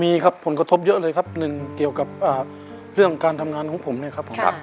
มีครับผลกระทบเยอะเลยครับหนึ่งเกี่ยวกับเรื่องการทำงานของผมเนี่ยครับผม